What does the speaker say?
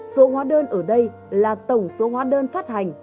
số hóa đơn ở đây là tổng số hóa đơn phát hành